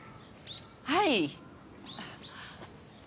はい？